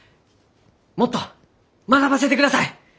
もっと学ばせてください！